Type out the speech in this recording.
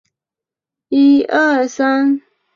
高中时曾在北艺创星艺考培训学校学习表演。